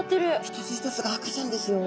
一つ一つが赤ちゃんですよ。